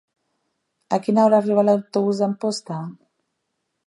A quina hora arriba l'autobús d'Amposta?